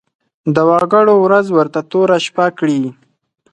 د وګړو ورځ ورته توره شپه کړي.